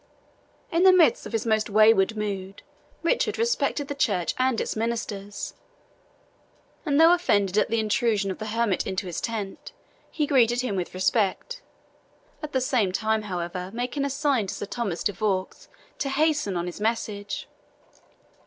In the midst of his most wayward mood, Richard respected the church and its ministers; and though offended at the intrusion of the hermit into his tent, he greeted him with respect at the same time, however, making a sign to Sir Thomas de Vaux to hasten on his message.